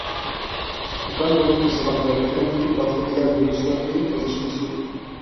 زۇكام بولۇپ قىزىغاندا بەدەندىكى باكتېرىيە، ۋىرۇسلارنى تازىلىشىمىز زۆرۈر.